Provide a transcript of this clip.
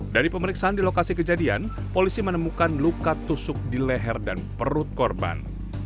dari pemeriksaan di lokasi kejadian polisi menemukan luka tusuk di leher dan perut korban